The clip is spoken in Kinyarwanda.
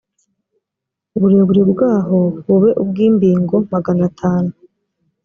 uburebure bwaho bube ubw’imbingo magana atanu